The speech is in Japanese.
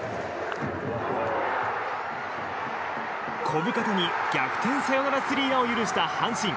小深田に逆転サヨナラスリーランを許した阪神。